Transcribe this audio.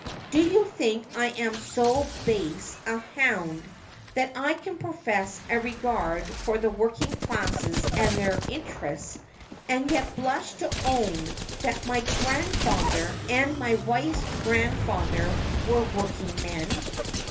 Do you think T am so base a hound that I can profess a regard for the working classes and their interests, and yet blush to own that my grandfather and my wife's grandfather were working men